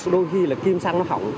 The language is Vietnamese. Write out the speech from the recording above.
đôi khi là kim xăng nó hỏng